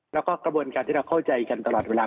แล้วก็กระบวนการที่เราเข้าใจกันตลอดเวลา